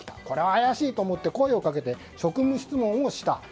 これは怪しいと思って声をかけて職務質問をした。